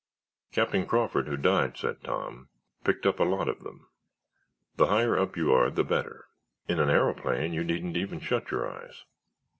"Captain Crawford who died," said Tom, "picked up a lot of them. The higher up you are the better. In an aeroplane you needn't even shut your eyes."